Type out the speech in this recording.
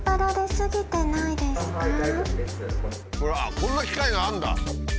こんな機械があるんだ！